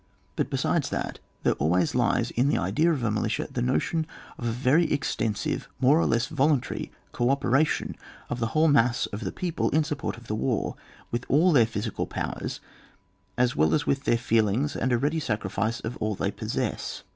But besides that, there always lies in the idea of a militia the notion of a veiy extensive more or less voluntaiy co operation of the whole mass of the people in support of the war, with all their physical powers, as well as with their feelings, and a ready sacrifice of all they possess.